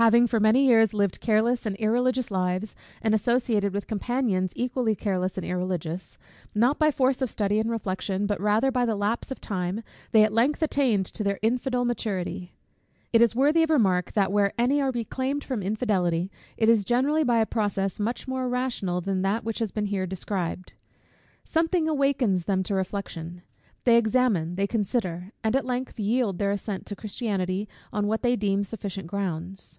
Having for many years lived careless and irreligious lives, and associated with companions equally careless and irreligious; not by force of study and reflection, but rather by the lapse of time, they at length attained to their infidel maturity. It is worthy of remark, that where any are reclaimed from infidelity, it is generally by a process much more rational than that which has been here described. Something awakens them to reflection. They examine, they consider, and at length yield their assent to Christianity on what they deem sufficient grounds.